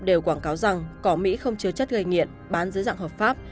đều quảng cáo rằng cỏ mỹ không chứa chất gây nghiện bán dưới dạng hợp pháp